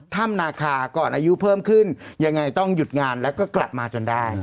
ถ้ำนาคาก่อนอายุเพิ่มขึ้นยังไงต้องหยุดงานแล้วก็กลับมาจนได้